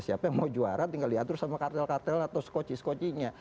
siapa yang mau juara tinggal diatur sama kartel kartel atau skoci skocinya